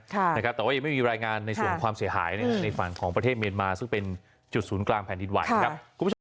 แต่ว่ายังไม่มีรายงานในส่วนความเสียหายในฝั่งของประเทศเมียนมาซึ่งเป็นจุดศูนย์กลางแผ่นดินไหวนะครับคุณผู้ชม